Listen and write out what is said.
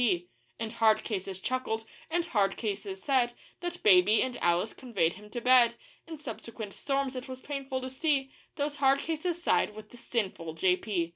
P. And hard cases chuckled, and hard cases said That Baby and Alice conveyed him to bed In subsequent storms it was painful to see Those hard cases side with the sinful J.P.